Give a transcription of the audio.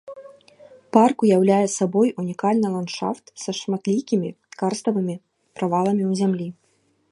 Парк уяўляе сабой унікальны ландшафт са шматлікімі карставымі праваламі ў зямлі.